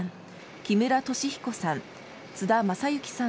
木村敏彦さん